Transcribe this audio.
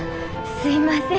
すいません。